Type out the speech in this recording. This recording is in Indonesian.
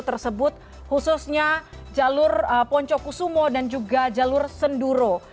tersebut khususnya jalur poncokusumo dan juga jalur senduro